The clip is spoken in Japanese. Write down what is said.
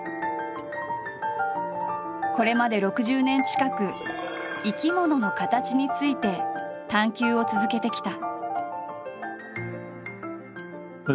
これまで６０年近く「生き物の形」について探求を続けてきた。